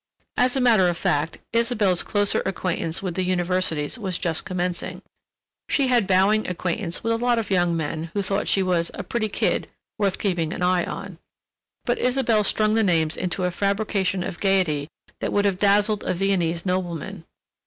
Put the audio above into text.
As a matter of fact, Isabelle's closer acquaintance with the universities was just commencing. She had bowing acquaintance with a lot of young men who thought she was a "pretty kid—worth keeping an eye on." But Isabelle strung the names into a fabrication of gayety that would have dazzled a Viennese nobleman.